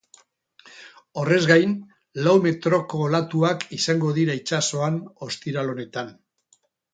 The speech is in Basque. Horrez gain, lau metroko olatuak izango dira itsasoan ostiral honetan.